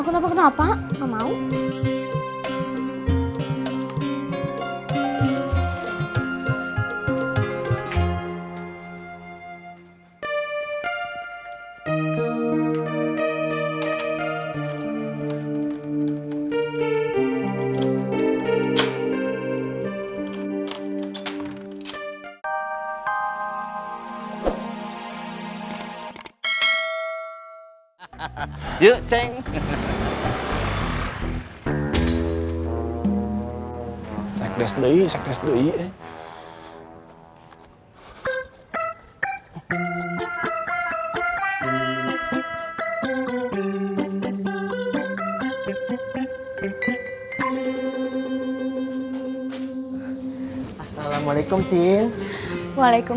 kenapa kenapa gak mau